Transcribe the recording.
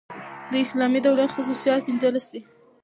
د اسلامي دولت خصوصیات پنځلس دي.